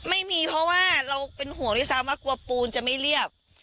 ไม่มีเพราะว่าเราเป็นห่วงด้วยซ้ำว่ากลัวปูนจะไม่เรียบ